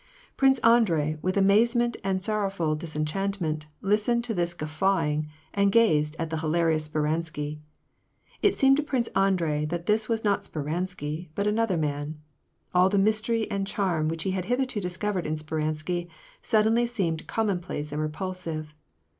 Prince Andrei, with amazement and sorrowful disenchant ment, listened to this guffawing, and gazed at the hilarious Spei^ansky. It seemed to Prince Andrei that it was not Sper ansky, but another man. All the mystery and charm which he had hitherto discovered in Speransky,' suddenly seemed commonplace and repulsive.